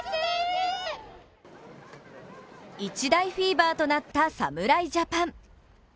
一大フィーバーとなった侍ジャパン。